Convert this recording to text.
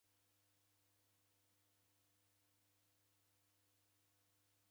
Bei ya mabemba eka ndonyi kuchumba.